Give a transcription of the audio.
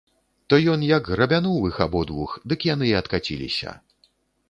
То ён як грабянуў іх абодвух, дык яны і адкаціліся.